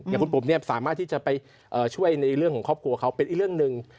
คุณปุ๋มเนี่ยสามารถที่จะไปช่วยในเรื่องของครอบครัวเขาเป็นอีกเรื่องหนึ่ง